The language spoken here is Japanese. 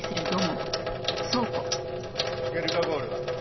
ゲルカゴールは？